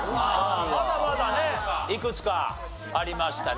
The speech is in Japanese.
まだまだねいくつかありましたね。